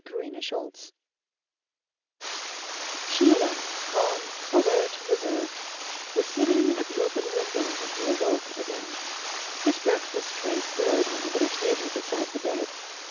CHAPTER FOURTEEN Sheila, calm, alert, reserved, was sitting at the open window when he awoke again. His breakfast tray stood on a little table beside the bed.